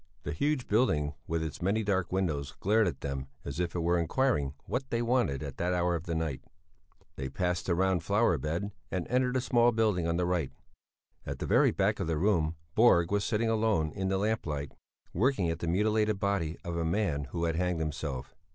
The huge building with its many dark windows glared at them as if it were inquiring what they wanted at that hour of the night. They passed the round flower bed, and entered the small building on the right. At the very back of the room Borg was sitting alone in the lamplight, working at the mutilated body of a man who had hanged himself.